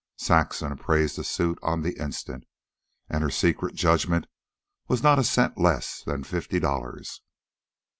Saxon appraised the suit on the instant, and her secret judgment was NOT A CENT LESS THAN FIFTY DOLLARS.